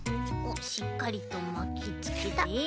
おっしっかりとまきつけた。